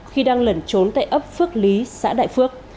khi đang lẩn trốn tại ấp phước lý xã đại phước